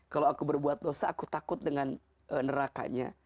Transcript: kalau aku berbuat dosa aku takut dengan nerakanya